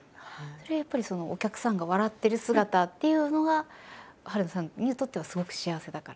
それはやっぱりお客さんが笑ってる姿っていうのが春菜さんにとってはすごく幸せだから？